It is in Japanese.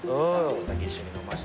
お酒一緒に飲ませて。